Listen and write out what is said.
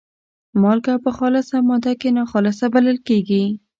مالګه په خالصه ماده کې ناخالصه بلل کیږي.